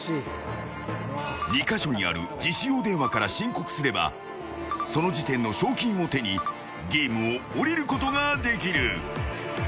２か所にある自首用電話から申告すればその時点の賞金を手にゲームを降りることができる。